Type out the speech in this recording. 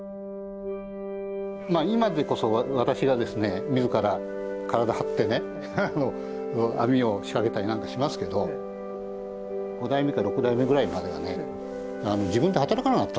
今でこそ私がですね自ら体張ってねあの網を仕掛けたりなんかしますけど５代目か６代目ぐらいまではね自分で働かなかったんですよ。